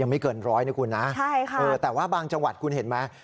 ยังไม่เกินร้อยนะคุณนะแต่ว่าบางจังหวัดคุณเห็นไหม